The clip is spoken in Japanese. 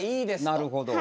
なるほど。